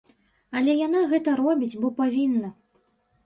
Але яна гэта робіць, бо павінна.